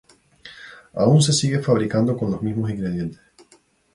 Aún se sigue fabricando con los mismos ingredientes.